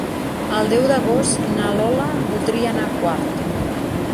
El deu d'agost na Lola voldria anar a Quart.